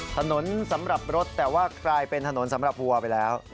สำหรับรถแต่ว่ากลายเป็นถนนสำหรับวัวไปแล้ว